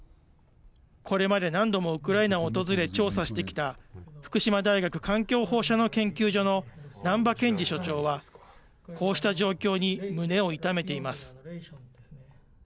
これまで何度もウクライナを訪れ調査してきた福島大学環境放射能研究所の難波謙二所長はこうした状況に胸を痛めています。